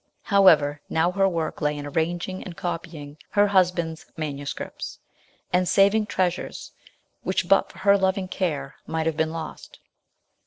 How ever, now her work lay in arranging and copying her husband's MSS., and saving treasures which but for her loving care might have been lost.